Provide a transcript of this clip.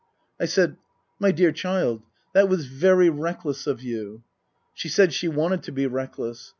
I said, " My dear child, that was very reckless of you." She said she wanted to be reckless.